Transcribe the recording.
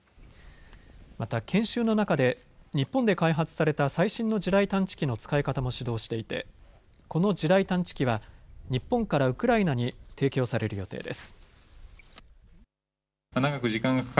また研修の中で日本で開発された最新の地雷探知機の使い方も指導していてこの地雷探知機は日本からウクライナに提供される予定です。